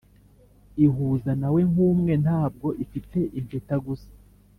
ihuza nawe nkumwe, ntabwo ifite impeta gusa,